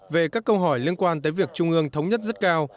về các câu hỏi liên quan tới việc trung ương thống nhất rất cao